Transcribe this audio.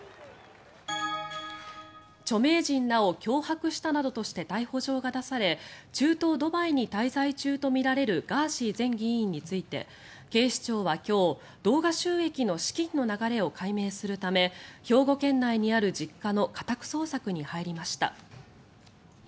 著名人らを脅迫したなどとして逮捕状が出され中東ドバイに滞在中とみられるガーシー前議員について警視庁は今日動画収益の資金の流れを解明するため兵庫県内にある実家の家宅捜索に入りました。